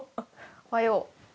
おはよう。